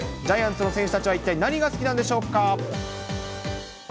ジャイアンツの選手たちは一体何が好きなんでしょうか。